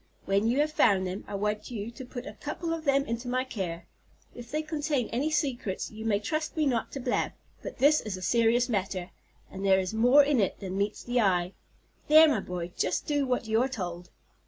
When you have found them, I want you to put a couple of them into my care. If they contain any secrets you may trust me not to blab; but this is a serious matter, and there is more in it than meets the eye. There, my boy, just do what you are told."